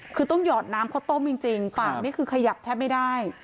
คือต้องหยอดน้ำเขาต้มจริงจริงฝั่งเนี้ยคือขยับแทบไม่ได้